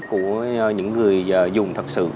của những người dùng thật sự